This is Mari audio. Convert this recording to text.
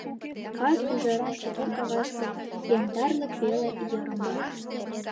Кас ӱжаран чевер каваште Яндарлык веле йырым-ваш.